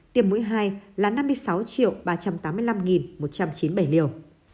tiêm mũi hai là năm mươi sáu ba trăm tám mươi năm một trăm chín mươi bảy liều